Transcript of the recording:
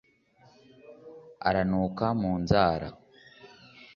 ara nuka mu nzara